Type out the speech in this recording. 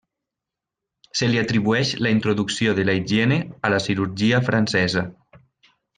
Se li atribueix la introducció de la higiene a la cirurgia francesa.